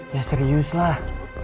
ya serius lah